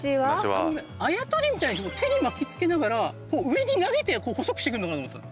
あのねあやとりみたいに手に巻きつけながらこう上に投げて細くしてくるのかと思ったの。